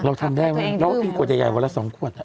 เราทำได้ไหมเราก็กินกว่าใจใหญ่วันละ๒ขวด